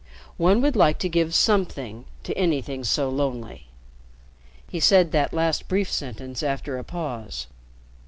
One would like to give something to anything so lonely." He said the last brief sentence after a pause.